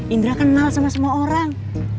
indra kenal sama semua orang